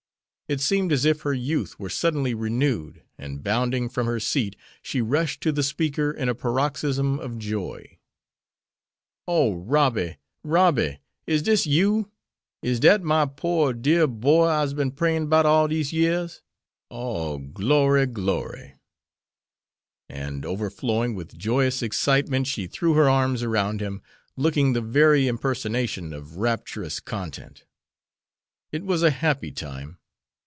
It seemed as if her youth were suddenly renewed and, bounding from her seat, she rushed to the speaker in a paroxysm of joy. "Oh, Robby! Robby! is dis you? Is dat my pore, dear boy I'se been prayin' 'bout all dese years? Oh, glory! glory!" And overflowing with joyous excitement she threw her arms around him, looking the very impersonation of rapturous content. It was a happy time.